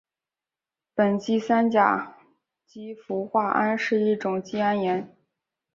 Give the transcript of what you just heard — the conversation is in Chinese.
苯基三甲基氟化铵是一种季铵盐。